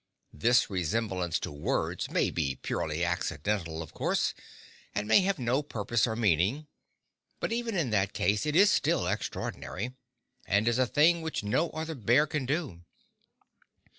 This resemblance to words may be purely accidental, of course, and may have no purpose or meaning; but even in that case it is still extraordinary, and is a thing which no other bear can do.